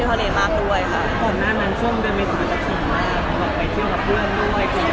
ตอนนั้นนั้นไม่สลายเท่าไหร่ละก็จะขี่มากขี่มาก